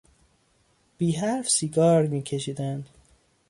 بیحرف سیگار میکشیدند.